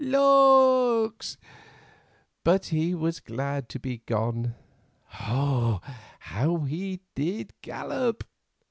Lawks! but he was glad to be gone. How he did gallop!"